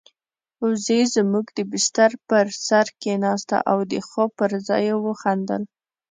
وزې زموږ د بستر پر سر کېناسته او د خوب پر ځای يې وخندل.